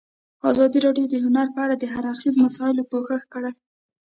ازادي راډیو د هنر په اړه د هر اړخیزو مسایلو پوښښ کړی.